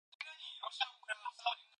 국정처리상황의 평가, 분석